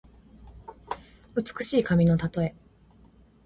美しい髪のたとえ。